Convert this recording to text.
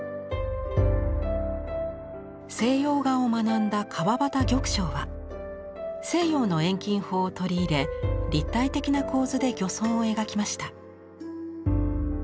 西洋画を学んだ川端玉章は西洋の遠近法を取り入れ立体的な構図で漁村を描きました。